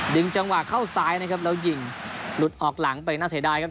จังหวะเข้าซ้ายนะครับแล้วยิงหลุดออกหลังไปน่าเสียดายครับ